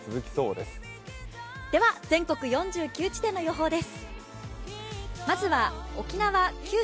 では全国４９地点の予報です。